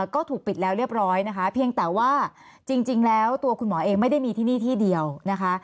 ก็ถูกปิดแล้วเรียบร้อยนะคะเพียงแต่ว่าจริงแล้วตัวคุณหมอเองไม่ได้มีที่นี่ที่เดียวนะคะ